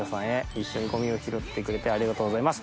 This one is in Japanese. いっしょにゴミをひろってくれてありがとうございます」